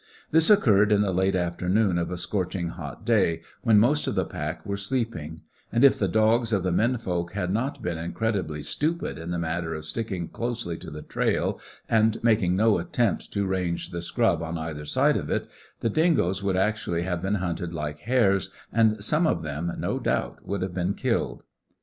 This occurred in the late afternoon of a scorching hot day, when most of the pack were sleeping; and if the dogs of the men folk had not been incredibly stupid in the matter of sticking closely to the trail, and making no attempt to range the scrub on either side of it, the dingoes would actually have been hunted like hares, and some of them, no doubt, would have been killed.